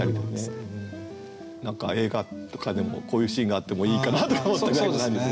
何か映画とかでもこういうシーンがあってもいいかなとか思ったぐらいの感じですね。